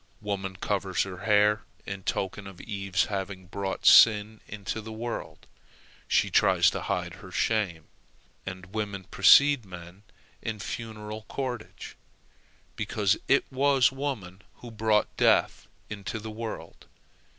Woman covers her hair in token of Eve's having brought sin into the world; she tries to hide her shame; and women precede men in a funeral cortege, because it was woman who brought death into the world.